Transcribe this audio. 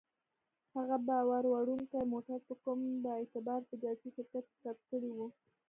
هغه باروړونکی موټر په کوم با اعتباره تجارتي شرکت کې ثبت کړی و.